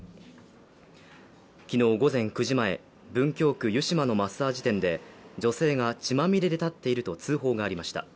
昨日午前９時前、文京区・湯島のマッサージ店で女性が血まみれで立っていると通報がありました。